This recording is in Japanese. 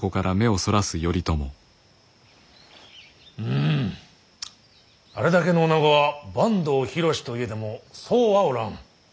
うんあれだけの女子は坂東広しといえどもそうはおらん。